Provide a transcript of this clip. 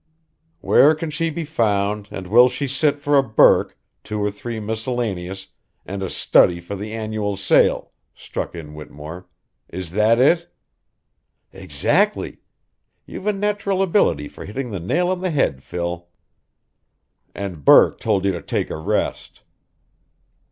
"where can she be found, and will she sit for a 'Burke,' two or three miscellaneous, and a 'study' for the annual sale," struck in Whittemore. "Is that it?" "Exactly. You've a natural ability for hitting the nail on the head, Phil." "And Burke told you to take a rest."